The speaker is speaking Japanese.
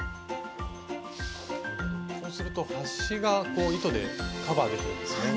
こうすると端が糸でカバーできるんですね。